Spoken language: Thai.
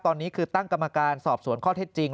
ตอนนี้คือตั้งกรรมการสอบสวนข้อเท็จจริง